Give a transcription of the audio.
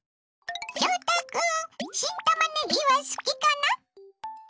翔太君新たまねぎは好きかな？